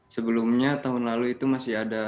sebelumnya tahun lalu itu masih ada